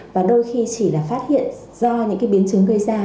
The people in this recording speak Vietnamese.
và đôi khi chỉ là phát hiện do những biến chứng gây ra